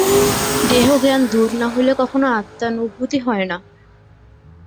দেহজ্ঞান দূর না হইলে কখনও আত্মানুভূতি হয় না।